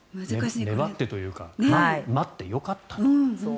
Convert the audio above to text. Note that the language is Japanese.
粘ってというか待ってよかった。